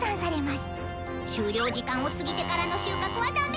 終了時間を過ぎてからの収穫はダメ！